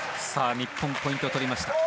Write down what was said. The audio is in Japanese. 日本ポイント取りました。